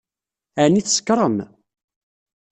Ɛni tsekṛem?